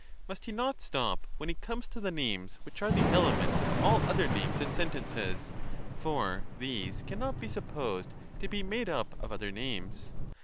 Must he not stop when he comes to the names which are the elements of all other names and sentences ; for these cannot be supposed to be made up of other names?